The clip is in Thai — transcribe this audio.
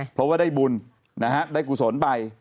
เพราะว่าได้บุญนะฮะได้กุศลไป